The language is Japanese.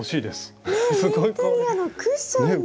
ねえインテリアのクッションに。